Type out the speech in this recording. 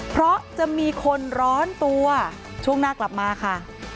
เพราะจะมีคนร้อนตัวช่วงหน้ากลับมาค่ะ